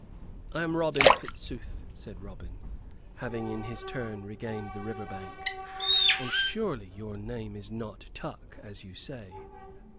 "I am Robin Fitzooth," said Robin, having in his turn regained the river bank. "And surely your name is not Tuck, as you say."